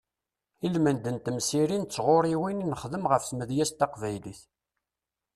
Ilmend n temsirin d tɣuriwin nexdem ɣef tmedyazt taqbaylit.